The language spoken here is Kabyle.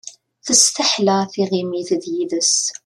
Testaḥla tiɣimit d yid-s.